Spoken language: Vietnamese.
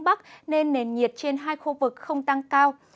bắc nên nền nhiệt trên hai khu vực không tăng cao